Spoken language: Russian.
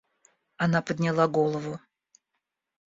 Она подняла голову.